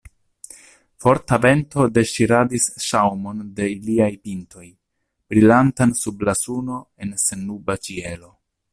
Forta vento deŝiradis ŝaŭmon de iliaj pintoj, brilantan sub la suno en sennuba ĉielo.